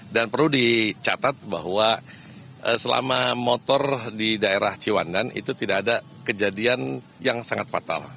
dan perlu dicatat bahwa selama motor di daerah ciwandan itu tidak ada kejadian yang sangat fatal